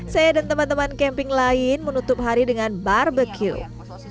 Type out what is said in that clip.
saya dan teman teman camping lain menutup hari dengan barbecue